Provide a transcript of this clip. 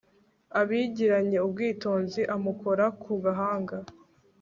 abigiranye ubwitonzi, amukora ku gahanga